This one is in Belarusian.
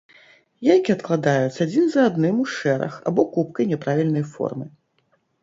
Яйкі адкладаюць адзін за адным у шэраг або купкай няправільнай формы.